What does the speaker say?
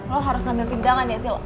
lo harus ngambil tindakan ya sih lo